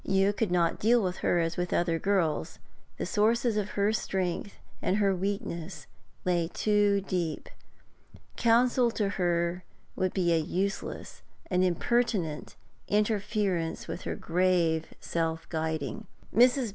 You could not deal with her as with other girls; the sources of her strength and her weakness lay too deep; counsel to her would be a useless, an impertinent, interference with her grave self guiding. Mrs.